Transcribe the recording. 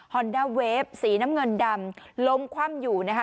อนด้าเวฟสีน้ำเงินดำล้มคว่ำอยู่นะคะ